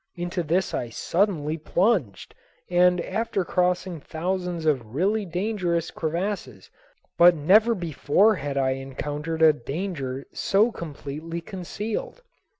Into this I suddenly plunged, after crossing thousands of really dangerous crevasses, but never before had I encountered a danger so completely concealed.